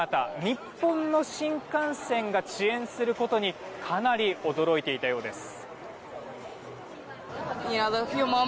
日本の新幹線が遅延することにかなり驚いていたようです。